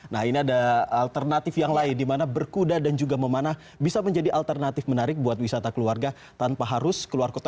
nah ini ada alternatif yang lain dimana berkuda dan juga memanah bisa menjadi alternatif menarik buat wisata keluarga tanpa harus keluar kota